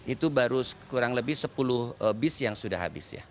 itu baru kurang lebih sepuluh bis yang sudah habis ya